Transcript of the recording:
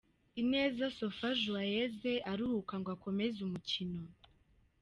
Ineza Sofa Joyeuse aruhuka ngo akomeze umukino